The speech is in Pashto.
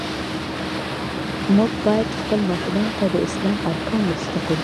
مونږ باید خپلو ماشومانو ته د اسلام ارکان ور زده کړو.